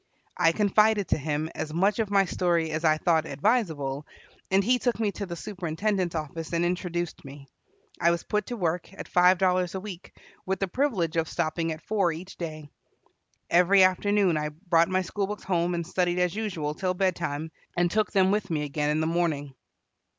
I confided to him as much of my story as I thought advisable, and he took me to the superintendent's office and introduced me. I was put to work, at five dollars a week, with the privilege of stopping at four each day. Every afternoon I brought my school books home and studied as usual till bed time, and took them with me again in the morning.